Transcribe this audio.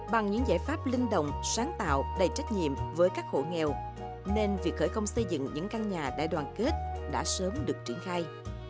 bằng những giải pháp linh đồng sáng tạo đầy trách nhiệm với các hộ nghèo nên việc khởi công xây dựng những căn nhà đại đoàn kết đã sớm được triển khai